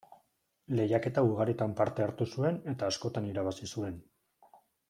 Lehiaketa ugaritan parte hartu zuen eta askotan irabazi zuen.